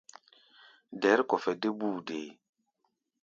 Dɛ̌r-kɔfɛ dé búu deé.